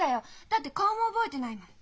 だって顔も覚えてないもん。